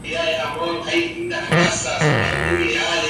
Lo nombraron por la primera persona en describir el mineral.